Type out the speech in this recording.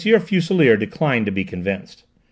Fuselier declined to be convinced.